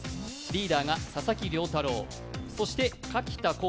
リーダーが佐々木涼太郎、そして柿田浩佑